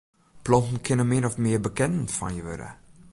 Planten kinne min of mear bekenden fan je wurde.